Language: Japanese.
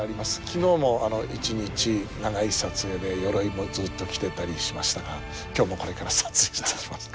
昨日も一日長い撮影で鎧もずっと着てたりしましたが今日もこれから撮影いたします。